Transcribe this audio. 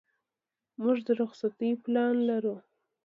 موږ د رخصتۍ پلان لرو.